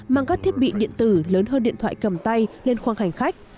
mang các thiết bị điện tử lớn hơn điện thoại cầm tay lên khoang hành khách